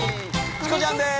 チコちゃんです